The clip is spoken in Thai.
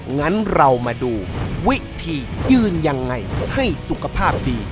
งั้นเรามาดูวิธียืนยังไงให้สุขภาพดี